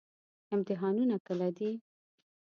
امتحانونه کله دي؟